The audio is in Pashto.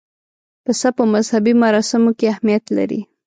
پسه په مذهبي مراسمو کې اهمیت لري.